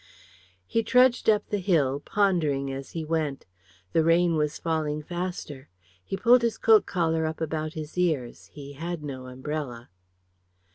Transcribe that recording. He trudged up the hill, pondering as he went. The rain was falling faster. He pulled his coat collar up about his ears. He had no umbrella.